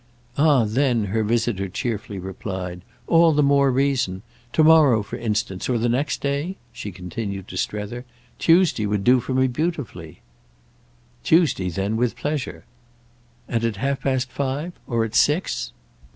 "Ah then," her visitor cheerfully replied, "all the more reason! To morrow, for instance, or next day?" she continued to Strether. "Tuesday would do for me beautifully." "Tuesday then with pleasure." "And at half past five?—or at six?"